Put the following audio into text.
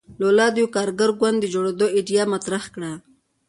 لولا د یوه کارګر ګوند د جوړېدو ایډیا مطرح کړه.